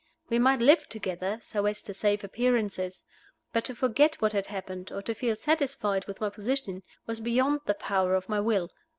We might live together, so as to save appearances. But to forget what had happened, or to feel satisfied with my position, was beyond the power of my will.